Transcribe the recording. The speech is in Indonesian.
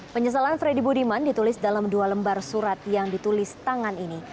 penyesalan freddy budiman ditulis dalam dua lembar surat yang ditulis tangan ini